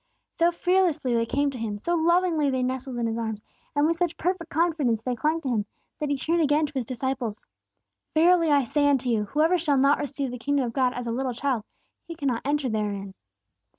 So fearlessly they came to Him, so lovingly they nestled in His arms, and with such perfect confidence they clung to Him, that He turned again to His disciples. "Verily I say unto you, Whosoever shall not receive the kingdom of God as a little child, he shall not enter therein."